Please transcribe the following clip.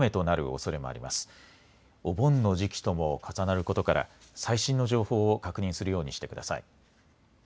お盆の時期とも重なることから最新の情報を確認するようにしてください。